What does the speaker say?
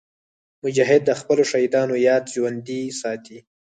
مجاهد د خپلو شهیدانو یاد ژوندي ساتي.